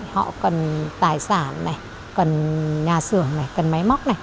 họ cần tài sản cần nhà sửa cần máy móc